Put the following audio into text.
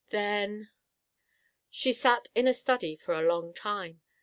Then—" She sat in a study for a long time.